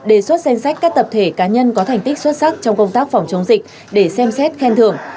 đề xuất danh sách các tập thể cá nhân có thành tích xuất sắc trong công tác phòng chống dịch để xem xét khen thưởng